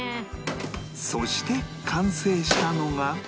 そして完成したのが